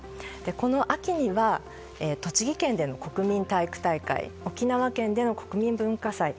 この秋には栃木県での国民体育大会沖縄県での国民文化祭